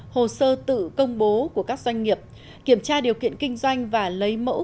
hồ sơ tự công bố của các doanh nghiệp kiểm tra điều kiện kinh doanh và lấy mẫu